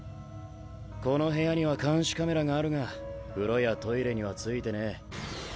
この部屋には監視カメラがあるが風呂やトイレには付いてねえ。